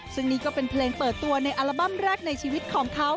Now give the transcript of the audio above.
ซึ่งนี่ก็เป็นเพลงเปิดตัวในอัลบั้มแรกในชีวิตของเขา